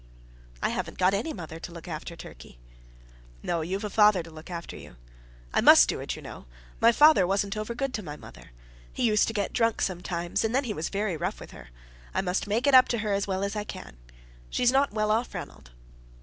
"I haven't got any mother to look after, Turkey." "No. You've a father to look after you. I must do it, you know. My father wasn't over good to my mother. He used to get drunk sometimes, and then he was very rough with her. I must make it up to her as well as I can. She's not well off, Ranald."